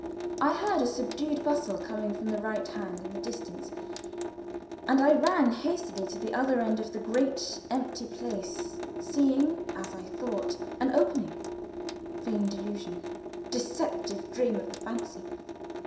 I heard a subdued bustle coming from the right hand in the distance, and I ran hastily to the other end of the great empty place, seeing, as I thought, an opening. Vain delusion! Deceptive dream of the fancy!